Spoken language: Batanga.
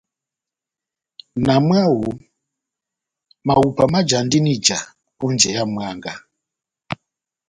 Na mwáho, mahupa majandini ija ó njeya mwángá.